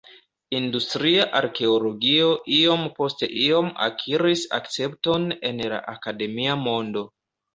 Industria arkeologio iom post iom akiris akcepton en la akademia mondo.